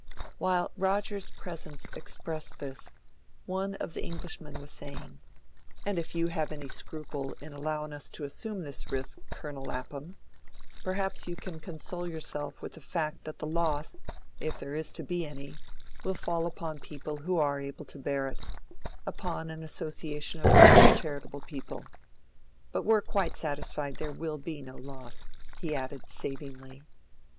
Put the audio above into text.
While Rogers's presence expressed this, one of the Englishmen was saying, "And if you have any scruple in allowin' us to assume this risk, Colonel Lapham, perhaps you can console yourself with the fact that the loss, if there is to be any, will fall upon people who are able to bear it upon an association of rich and charitable people. But we're quite satisfied there will be no loss," he added savingly.